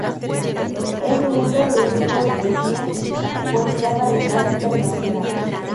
Es miembro del grupo de poesía "Poesía radical internacional".